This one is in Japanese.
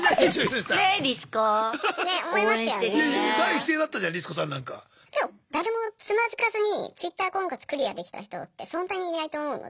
でも誰もつまずかずにＴｗｉｔｔｅｒ婚活クリアできた人ってそんなにいないと思うので。